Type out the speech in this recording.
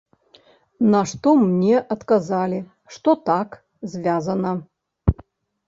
На што мне адказалі, што так, звязана.